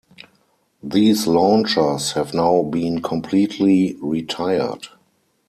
These launchers have now been completely retired.